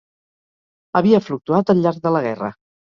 Havia fluctuat al llarg de la guerra